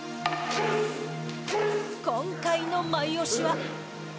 今回のマイオシは。